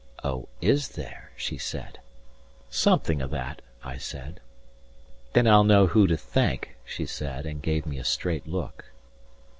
Oh is there, she said. Something o' that, I said. 150 Then I'll know who to thank, she said, and give me a straight look.